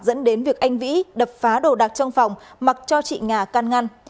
dẫn đến việc anh vĩ đập phá đồ đạc trong phòng mặc cho chị nga can ngăn